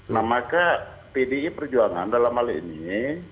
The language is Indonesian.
nah maka pdi perjuangan dalam hal ini